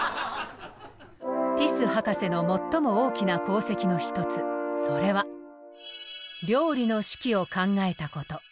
ティス博士の最も大きな功績の一つそれは料理の式を考えたこと。